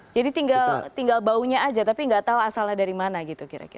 jadi tinggal baunya saja tapi tidak tahu asalnya dari mana gitu kira kira